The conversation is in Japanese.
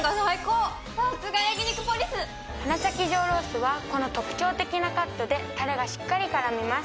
花咲上ロースはこの特徴的なカットでタレがしっかり絡みます。